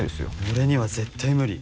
俺には絶対無理